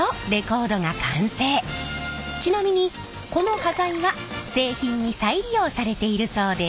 ちなみにこの端材は製品に再利用されているそうです。